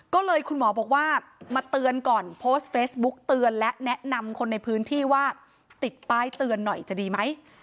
ก็เลยคุณหมอบอกว่ามาเตือนก่อนโพสต์เฟซบุ๊กเตือนและแนะนำคนในพื้นที่ว่าติดป้ายเตือนหน่อยจะดีไหม